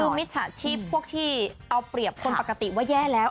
คือมิจฉาชีพพวกที่เอาเปรียบคนปกติว่าแย่แล้ว